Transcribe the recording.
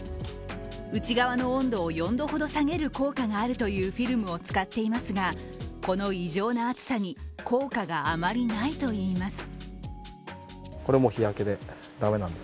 内側の温度を４度ほど下げる効果があるというフィルムを使っていますがこの異常な暑さに効果があまりないといいます。